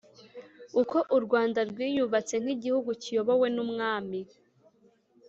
uko u Rwanda rwiyubatse nk igihugu kiyobowe n umwami